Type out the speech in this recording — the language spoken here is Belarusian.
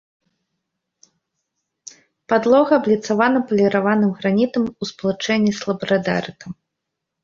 Падлога абліцавана паліраваным гранітам у спалучэнні з лабрадарытам.